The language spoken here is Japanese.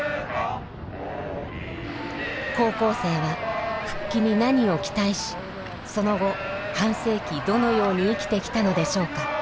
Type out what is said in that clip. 高校生は復帰に何を期待しその後半世紀どのように生きてきたのでしょうか。